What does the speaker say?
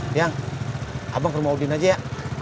sayang abang ke rumah udin aja ya